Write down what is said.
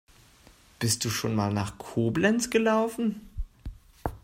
Bist du schon mal nach Koblenz gelaufen?